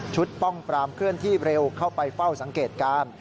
ป้องปรามเคลื่อนที่เร็วเข้าไปเฝ้าสังเกตการณ์